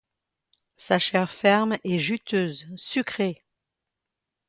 Sa chair ferme est juteuse, sucrée.